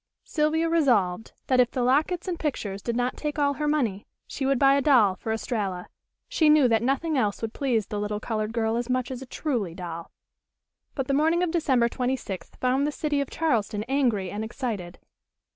Sylvia resolved that, if the lockets and pictures did not take all her money, she would buy a doll for Estralla. She knew that nothing else would please the little colored girl as much as a "truly" doll. But the morning of December twenty sixth found the city of Charleston angry and excited.